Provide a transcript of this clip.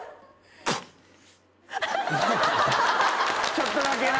ちょっとだけな。